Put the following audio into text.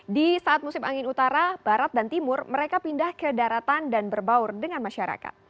di saat musim angin utara barat dan timur mereka pindah ke daratan dan berbaur dengan masyarakat